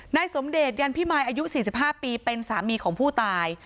นายสมเดชยันพี่ไมล์อายุสี่สิบห้าปีเป็นสามีของผู้ตาย